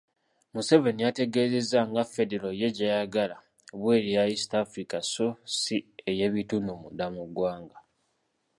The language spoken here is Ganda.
Museveni yategeezezza nga Federo ye gy'ayagala bw'eri eya East Africa so ssi ey’ebitundu munda mu ggwanga.